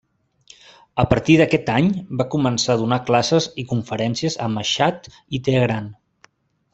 A partir d'aquest any va començar a donar classes i conferències a Mashhad i Teheran.